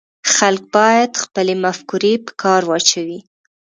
خلک باید خپلې مفکورې په کار واچوي